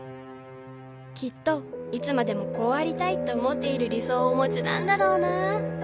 「きっといつまでも『こうありたい』と思っている理想をお持ちなんだろうなぁ」